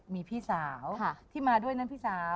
มีพี่สาวที่มาด้วยนั้นพี่สาว